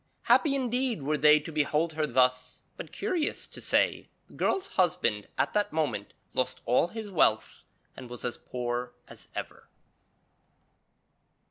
Happy indeed were they to behold her thus; but, curious to say, the girl's husband at that moment lost all his wealth and was as poor as ever.